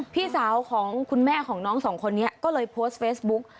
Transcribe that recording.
พี่สาวของคุณแม่ของน้องสองคนนี้ก็เลยโพสต์เฟซบุ๊ก